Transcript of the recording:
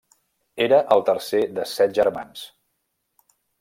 Era el tercer de set germans.